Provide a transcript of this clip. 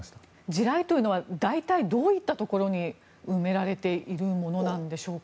地雷というのは大体どういったところに埋められているものでしょうか？